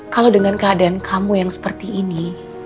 kalau dengan keadaan kamu yang seperti ini